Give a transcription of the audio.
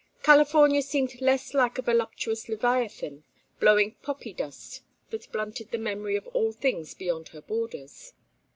California seemed less like a voluptuous leviathan blowing poppy dust that blunted the memory of all things beyond her borders.